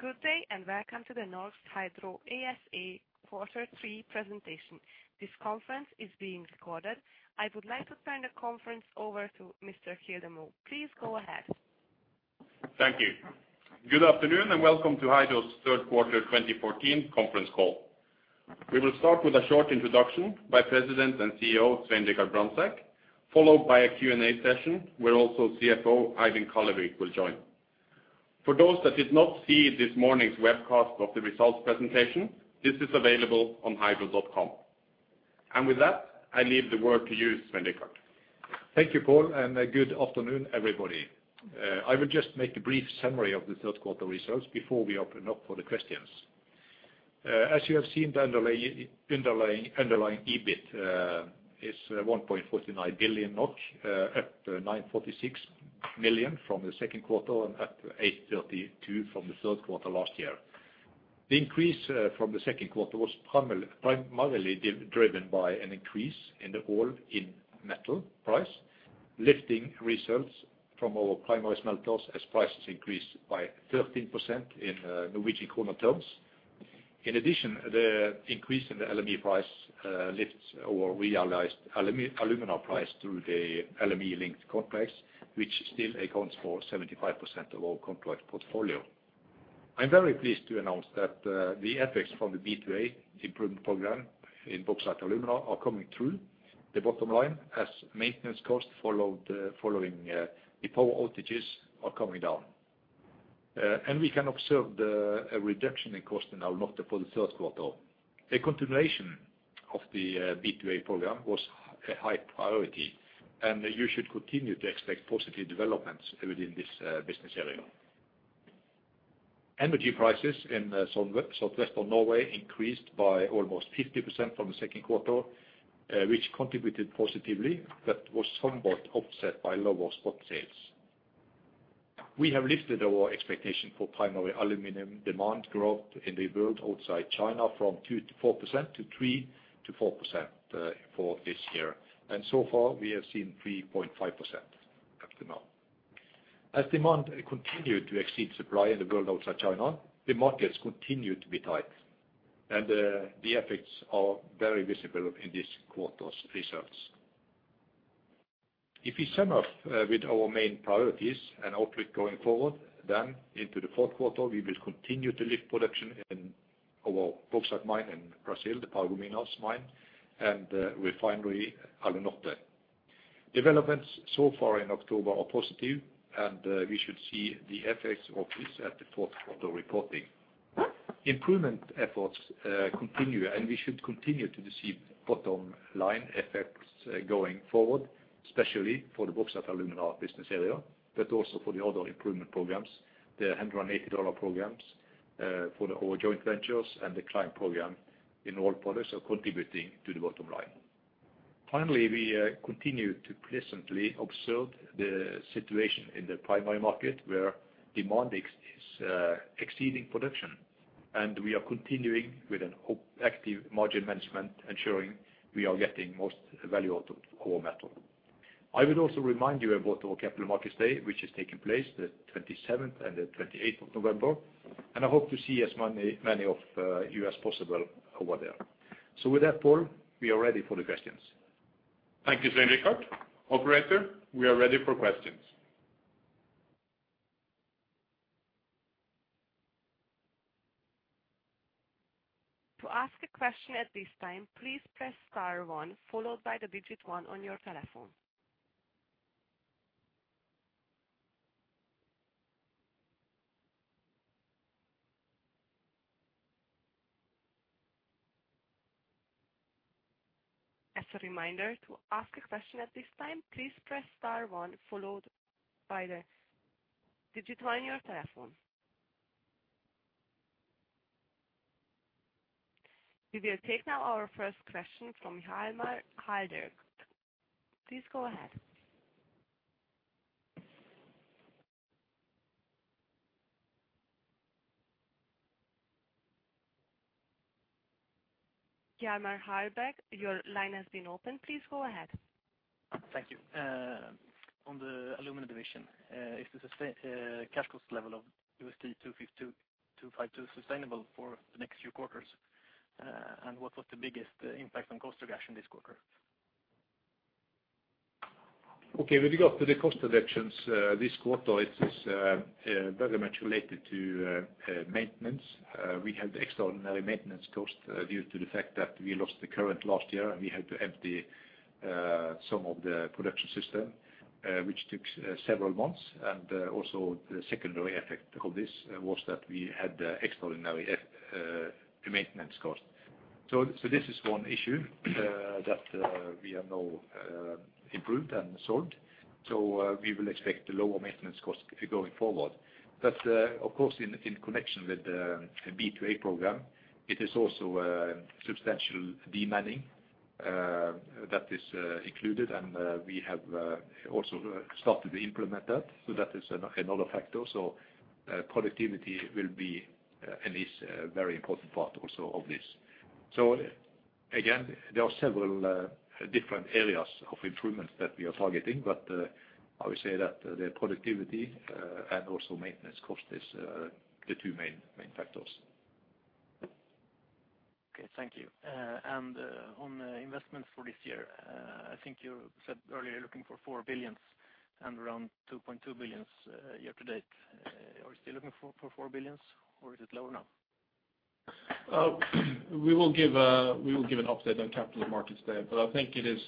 Good day, and welcome to the Norsk Hydro ASA Quarter three presentation. This conference is being recorded. I would like to turn the conference over to Mr. Kildemo. Please go ahead. Thank you. Good afternoon, and welcome to Hydro's third quarter 2014 conference call. We will start with a short introduction by President and CEO, Svein Richard Brandtzæg, followed by a Q&A session, where also CFO Eivind Kallevik will join. For those that did not see this morning's webcast of the results presentation, this is available on hydro.com. With that, I leave the word to you, Svein Richard. Thank you, Pål, and good afternoon, everybody. I will just make a brief summary of the third quarter results before we open up for the questions. As you have seen, the underlying EBIT is 1.49 billion NOK, up 946 million from the second quarter and up 832 million from the third quarter last year. The increase from the second quarter was primarily driven by an increase in the aluminum metal price, lifting results from our primary smelters as prices increased by 13% in Norwegian krone terms. In addition, the increase in the LME price lifts our realized alumina price through the LME-linked contracts, which still accounts for 75% of our contract portfolio. I'm very pleased to announce that the effects from the B&A improvement program in bauxite alumina are coming through the bottom line as maintenance costs following the power outages are coming down. We can observe a reduction in cost in Alunorte for the third quarter. A continuation of the B&A program was a high priority, and you should continue to expect positive developments within this business area. Energy prices in southwestern Norway increased by almost 50% from the second quarter, which contributed positively but was somewhat offset by lower spot sales. We have lifted our expectation for primary aluminum demand growth in the world outside China from 2%-4% to 3%-4% for this year. So far, we have seen 3.5% up to now. As demand continue to exceed supply in the world outside China, the markets continue to be tight, and the effects are very visible in this quarter's results. If we sum up with our main priorities and outlook going forward, then into the fourth quarter, we will continue to lift production in our bauxite mine in Brazil, the Paragominas mine, and refinery Alunorte. Developments so far in October are positive, and we should see the effects of this at the fourth quarter reporting. Improvement efforts continue, and we should continue to receive bottom line effects going forward, especially for the Bauxite & Alumina business area, but also for the other improvement programs. The $180 million programs for our joint ventures and the Climb program in all products are contributing to the bottom line. Finally, we continue to pleasantly observe the situation in the primary market, where demand exceeds production. We are continuing with an active margin management, ensuring we are getting most value out of our metal. I will also remind you about our Capital Markets Day, which is taking place the 27th and the 28th of November, and I hope to see as many of you as possible over there. With that, Paul, we are ready for the questions. Thank you, Svein Richard. Operator, we are ready for questions. To ask a question at this time, please press star one followed by the digit one on your telephone. As a reminder, to ask a question at this time, please press star one followed by the digit one on your telephone. We will take now our first question from Hjalmar Ahlberg. Please go ahead. Hjalmar Ahlberg, your line has been opened. Please go ahead. Thank you. On the aluminium division, is the sustainable cash cost level of NOK 2,525.2 sustainable for the next few quarters? What was the biggest impact on cost reduction this quarter? Okay, with regard to the cost reductions, this quarter, it is very much related to maintenance. We had extraordinary maintenance costs due to the fact that we lost the current last year, and we had to empty some of the production system, which took several months. Also the secondary effect of this was that we had extraordinary maintenance costs. This is one issue that we have now improved and solved. We will expect lower maintenance costs going forward. Of course, in connection with the B&A program, it is also substantial de-manning that is included, and we have also started to implement that. That is another factor. Productivity will be and is a very important part also of this. Again, there are several different areas of improvements that we are targeting. I would say that the productivity and also maintenance cost is the two main factors. Okay, thank you. On investments for this year, I think you said earlier you're looking for 4 billion and around 2.2 billion year to date. Are you still looking for 4 billion or is it lower now? We will give an update on Capital Markets Day. I think it is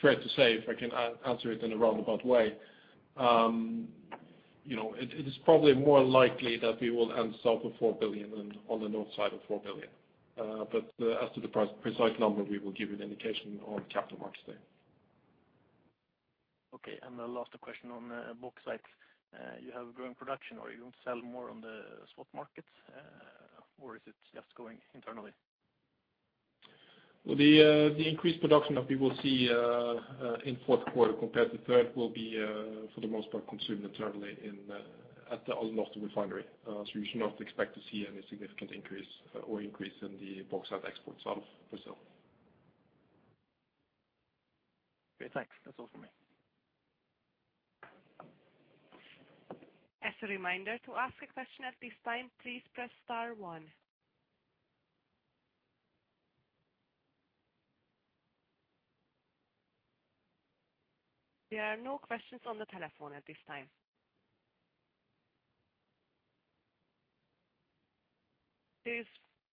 fair to say, if I can answer it in a roundabout way, you know, it is probably more likely that we will end south of 4 billion than on the north side of 4 billion. As to the precise number, we will give an indication on Capital Markets Day. Okay. The last question on bauxite. You have growing production or you sell more on the spot markets, or is it just going internally? Well, the increased production that we will see in fourth quarter compared to third will be, for the most part, consumed internally at the Alunorte refinery. You should not expect to see any significant increase in the bauxite exports out of Brazil. Okay, thanks. That's all for me. As a reminder, to ask a question at this time, please press star one. There are no questions on the telephone at this time. There's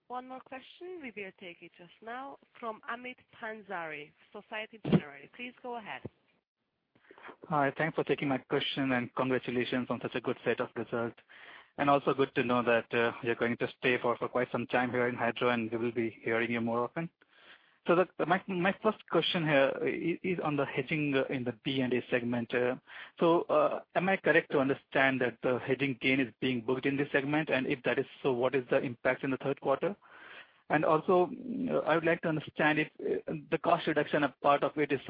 one more question. We will take it just now from Amit Pansari, Société Générale. Please go ahead. Hi, thanks for taking my question and congratulations on such a good set of results. Good to know that you're going to stay for quite some time here in Hydro, and we will be hearing you more often. My first question here is on the hedging in the B&A segment. Am I correct to understand that the hedging gain is being booked in this segment? If that is so, what is the impact in the third quarter? I would like to understand if the cost reduction of part of it is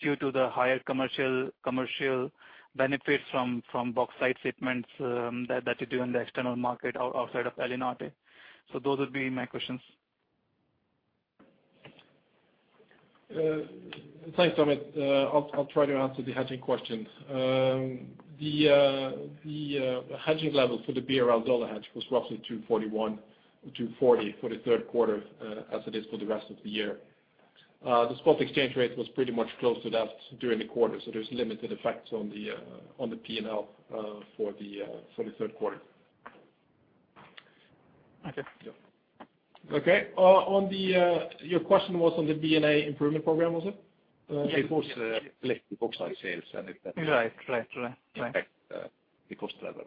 due to the higher commercial benefits from bauxite shipments that you do in the external market outside of Alunorte. Those would be my questions. Thanks, Amit. I'll try to answer the hedging question. The hedging level for the BRL dollar hedge was roughly 241, 240 for the third quarter, as it is for the rest of the year. The spot exchange rate was pretty much close to that during the quarter, so there's limited effects on the P&L for the third quarter. Okay. Yeah. Okay. Your question was on the B&A improvement program, was it? Yes. It was related to bauxite sales and if that. Right. impact, the cost level.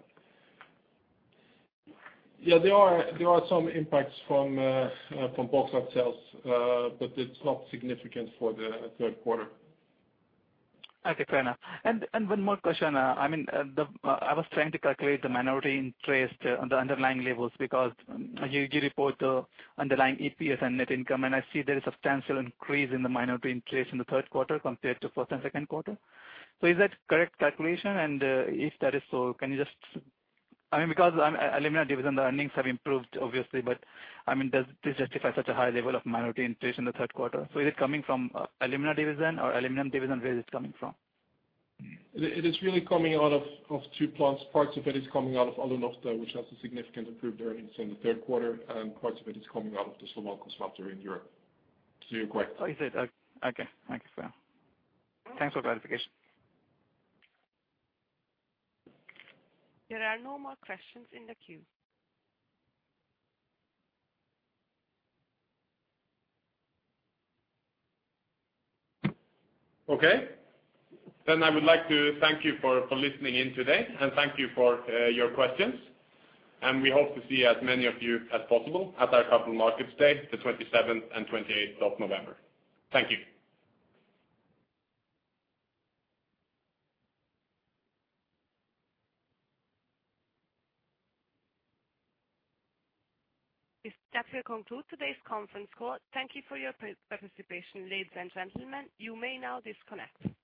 Yeah, there are some impacts from bauxite sales, but it's not significant for the third quarter. Okay, fair enough. One more question. I was trying to calculate the minority interest on the underlying levels because you report the underlying EPS and net income, and I see there is substantial increase in the minority interest in the third quarter compared to first and second quarter. Is that correct calculation? If that is so, can you just, I mean, because Alumina division, the earnings have improved obviously, but, I mean, does this justify such a high level of minority interest in the third quarter? Is it coming from Alumina division or Aluminum division? Where is this coming from? It is really coming out of two parts. Parts of it is coming out of Alunorte, which has significantly improved earnings in the third quarter, and parts of it is coming out of the Slovalco factory in Europe. You're correct. Oh, is it? Okay. Okay. Thanks for that. Thanks for clarification. There are no more questions in the queue. Okay. I would like to thank you for listening in today, and thank you for your questions. We hope to see as many of you as possible at our Capital Markets Day, the twenty-seventh and twenty-eighth of November. Thank you. This does conclude today's conference call. Thank you for your participation, ladies and gentlemen. You may now disconnect.